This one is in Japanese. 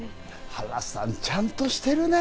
原さん、ちゃんとしてるね。